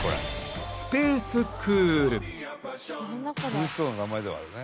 涼しそうな名前ではあるね。